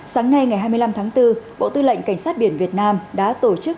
sáng nay ngày hai mươi năm tháng bốn bộ tư lệnh cảnh sát biển việt nam đã tổ chức